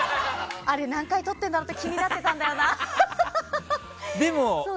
あれ、何回とってるんだろうって気になってたんだよな。